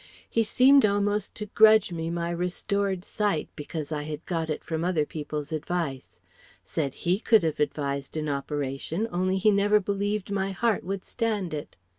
He seemed almost to grudge me my restored sight because I had got it from other people's advice. Said he could have advised an operation only he never believed my heart would stand it.